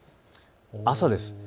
朝です。